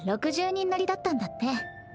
６０人乗りだったんだって。